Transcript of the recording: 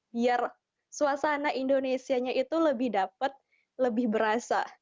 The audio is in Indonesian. biar suasana indonesianya itu lebih dapat lebih berasa